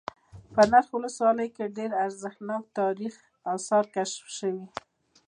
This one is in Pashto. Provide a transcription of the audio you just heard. په نرخ ولسوالۍ كې ډېر ارزښتناك تاريخ آثار كشف شوي